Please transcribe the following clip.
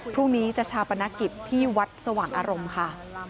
พรุ่งนี้จะชาปนกิจที่วัดสว่างอารมณ์ค่ะ